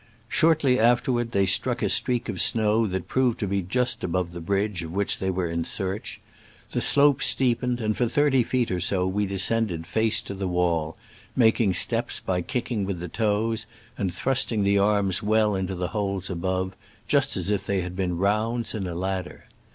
Shortly afterward they struck a streak of snow that proved to be just above the bridge of which they were in search. The slope steepened, and for thirty feet or so we descended face to the wall, making steps by kicking with the toes and thrusting the arms well into the holes above, just as if they had been rounds in a ladder.